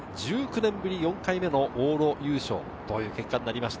駒澤大学が１９年ぶり４回目の往路優勝をという結果になりました。